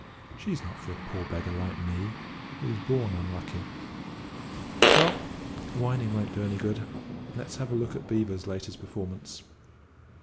She's not for a poor beggar like me, who was born unlucky. Well, whining won't do any good let's have a look at Beevor's latest performance."